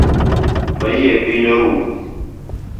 Mayie piny rumo